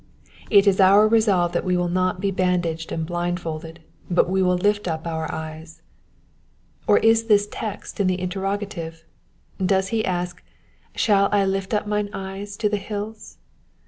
It is our resolve that we will not be bandaged and blindfolded, but will lift up our eyes. Or is the text in the interrogative ? Does he ask, Shall I lift up mine eyes to the hills